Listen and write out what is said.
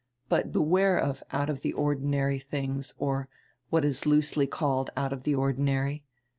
But beware of 'out of die ordinary' tilings, or what is loosely called out of die ordi nary.